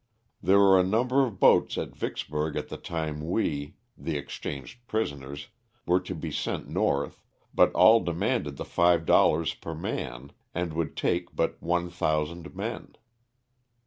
There were a number of boats at Vicksburg at the time we (the exchanged prisoners) were to be sent north, but all demanded the $5 per man and would take but 1,000 men.